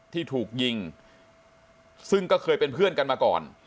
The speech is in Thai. ที่ถูกยิงซึ่งก็เคยเป็นเพื่อนกันมาก่อน